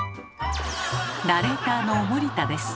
ナレーターの森田です。